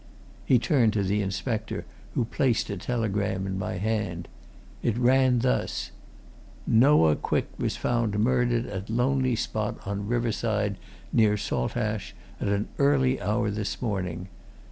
He turned to the inspector, who placed a telegram in my hand. It ran thus: "Noah Quick was found murdered at lonely spot on riverside near Saltash at an early hour this morning.